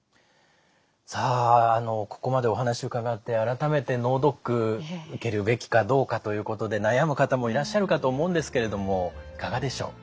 さあここまでお話伺って改めて脳ドック受けるべきかどうかということで悩む方もいらっしゃるかと思うんですけれどもいかがでしょう？